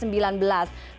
misalnya di daerah pasar